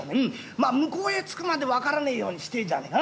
ま向こうへ着くまで分からねえようにしてえじゃねえか。